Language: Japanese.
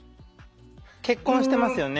結婚してますよね？